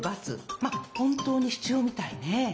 まあ本当に必要みたいね。